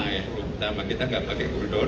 kita tidak pakai kurdon